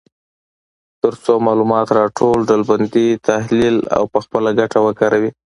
تر څو معلومات راټول، ډلبندي، تحلیل او په خپله ګټه وکاروي.